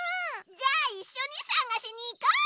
じゃあいっしょにさがしにいこう！